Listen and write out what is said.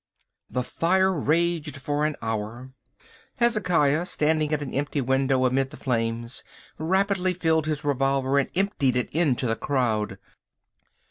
The fire raged for an hour. Hezekiah, standing at an empty window amid the flames, rapidly filled his revolver and emptied it into the crowd.